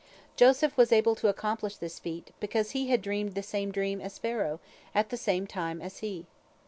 Joseph was able to accomplish this feat, because he had dreamed the same dream as Pharaoh, at the same time as he.